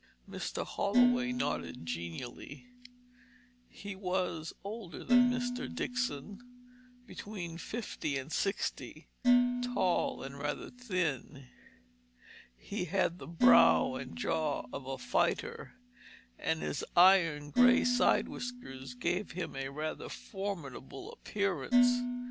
Mr. Holloway nodded genially. He was older than Mr. Dixon, between fifty and sixty, tall and rather thin. He had the brow and jaw of a fighter, and his iron grey side whiskers gave him a rather formidable appearance.